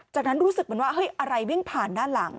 จากนั้นรู้สึกเหมือนว่าเฮ้ยอะไรวิ่งผ่านด้านหลัง